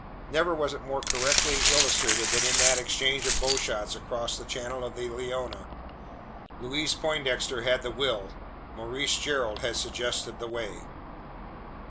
Never was it more correctly illustrated than in that exchange of bow shots across the channel of the Leona. Louise Poindexter had the will; Maurice Gerald had suggested the way.